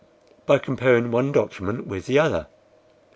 "By comparing one document with the other."